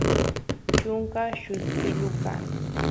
chunka lluspilu kan